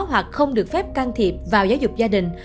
hoặc không được phép can thiệp vào giáo dục gia đình